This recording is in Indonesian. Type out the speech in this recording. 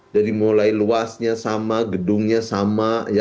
dari mulai luasnya sama gedungnya sama